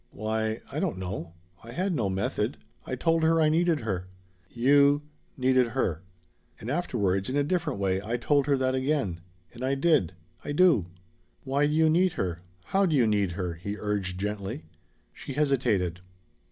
"Why I don't know. I had no method. I told her I needed her." "You needed her?" "And afterwards, in a different way, I told her that again. And I did. I do." "Why do you need her? How do you need her?" he urged gently. She hesitated.